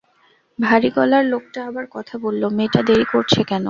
ভারি গলার লোকটা আবার কথা বলল, মেয়েটা দেরি করছে কেন?